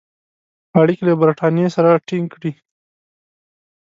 اړیکي له برټانیې سره تینګ کړي.